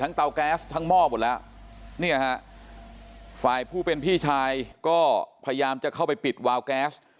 เตาแก๊สทั้งหม้อหมดแล้วเนี่ยฮะฝ่ายผู้เป็นพี่ชายก็พยายามจะเข้าไปปิดวาวแก๊ส